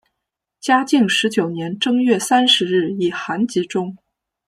嘉靖十九年正月三十日以寒疾终。